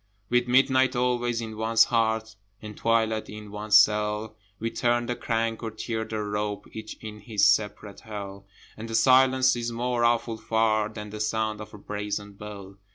With midnight always in one's heart, And twilight in one's cell, We turn the crank, or tear the rope, Each in his separate Hell, And the silence is more awful far Than the sound of a brazen bell.